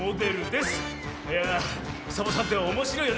いやあサボさんっておもしろいよね。